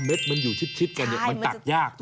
ถ้าเม็ดมันอยู่ชิดกันเนี่ยมันตักคือยากเลยใช่ไหม